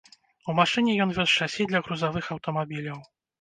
У машыне ён вёз шасі для грузавых аўтамабіляў.